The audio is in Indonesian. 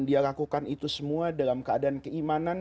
dia lakukan itu semua dalam keadaan keimanan